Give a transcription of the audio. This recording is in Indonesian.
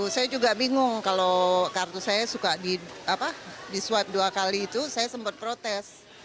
saya juga bingung kalau kartu saya suka di swab dua kali itu saya sempat protes